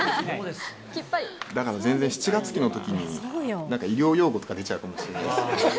だから全然、７月期のときになんか医療用語とか出ちゃうかもしれないですね。